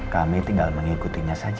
kami tinggal mengikutinya saja